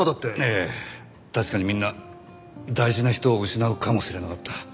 ええ確かにみんな大事な人を失うかもしれなかった。